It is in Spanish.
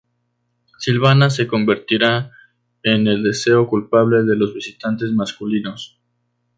Silvana se convertirá en el deseo culpable de los visitantes masculinos.